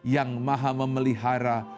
yang maha memelihara